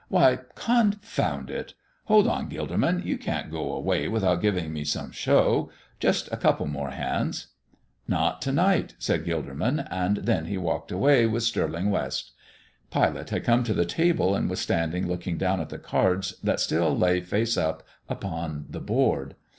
"Why, confound it hold on, Gilderman, you can't go away without giving me some show. Just a couple more hands." "Not to night," said Gilderman, and then he walked away with Stirling West. Pilate had come to the table and was standing looking down at the cards that still lay face up upon the board.